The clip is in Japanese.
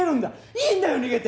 いいんだよ逃げて。